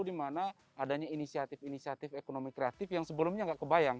di mana adanya inisiatif inisiatif ekonomi kreatif yang sebelumnya nggak kebayang